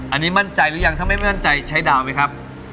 อันนี้มั่นใจหรือยังถ้าไม่มั่นใจใช้ดาวไหมครับ